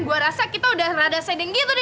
oke sekarang masukin ke tas ini